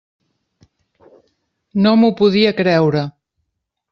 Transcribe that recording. No m'ho podia creure.